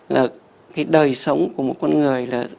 là cái đời sống của một con người là